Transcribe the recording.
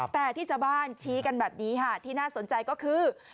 แต่ที่ชาวบ้านชี้กันแบบนี้ค่ะที่น่าสนใจก็คือ